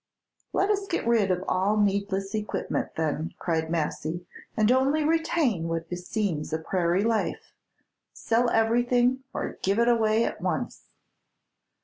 "Let us get rid of all needless equipment, then," cried Massy, "and only retain what beseems a prairie life. Sell everything, or give it away at once."